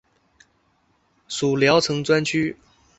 属聊城专区。